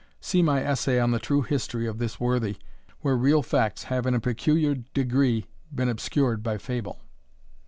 See my essay on the true history of this worthy, where real facts have in a peculiar degree been obscured by fable.)